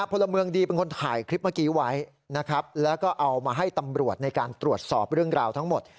พลเมืองดีเป็นคนถ่ายคลิปเมื่อกี้ไว้นะครับแล้วก็เอามาให้ตำรวจในการตรวจสอบเรื่องราวทั้งหมด